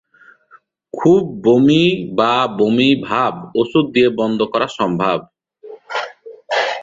খুব বমি বা বমি ভাব ওষুধ দিয়ে বন্ধ করা সম্ভব।